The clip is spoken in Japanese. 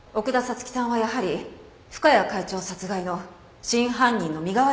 月さんはやはり深谷会長殺害の真犯人の身代わりになっていたんですね。